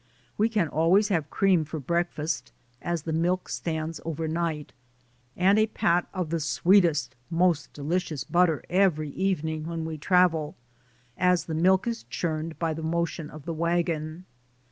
We can always have cream for breakfast, as the milk stands over night, and a pat of the sweetest, most delicious but ter every evening, when we travel, as the milk is churned by the motion of the wagon.